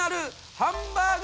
ハンバーグ！